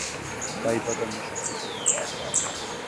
დაიბადა მეშახტის ოჯახში.